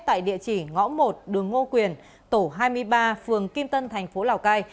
tại địa chỉ ngõ một đường ngô quyền tổ hai mươi ba phường kim tân thành phố lào cai